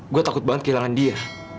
gue takut banget kehilangan dia